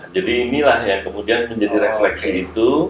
jadi inilah yang kemudian menjadi refleksi itu